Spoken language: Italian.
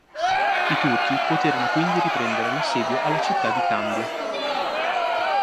I Turchi poterono quindi riprendere l'assedio alla città di Candia.